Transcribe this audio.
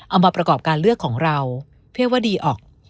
เอามาประกอบการเลือกของเราเพื่อว่าดีออก